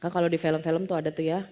kalau di film film tuh ada tuh ya